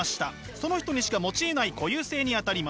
その人にしか持ちえない固有性にあたります。